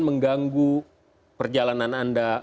mengganggu perjalanan anda